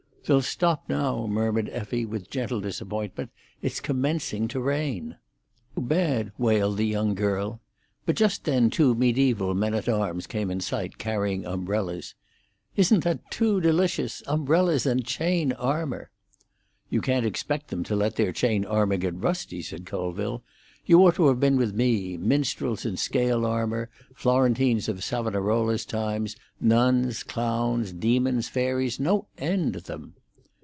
"They'll stop now," murmured Effie, with gentle disappointment; "it's commencing to rain." "Oh, too bad!" wailed the young girl. But just then two mediaeval men at arms came in sight, carrying umbrellas. "Isn't that too delicious? Umbrellas and chain armour!" "You can't expect them to let their chain armour get rusty," said Colville. "You ought to have been with me—minstrels in scale armour, Florentines of Savonarola's times, nuns, clowns, demons, fairies—no end to them."